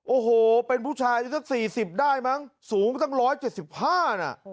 โอ้โหเป็นผู้ชายอายุสัก๔๐ได้มั้งสูงตั้ง๑๗๕น่ะ